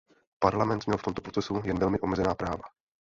Parlament měl v tomto procesu jen velmi omezená práva.